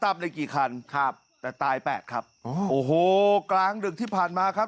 ได้กี่คันครับแต่ตายแปดครับอ๋อโอ้โหกลางดึกที่ผ่านมาครับ